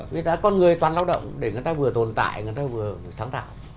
người ta con người toàn lao động để người ta vừa tồn tại người ta vừa sáng tạo